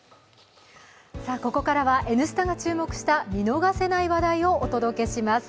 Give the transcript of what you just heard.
ここからは「Ｎスタ」が注目した見逃せない話題をお届けします。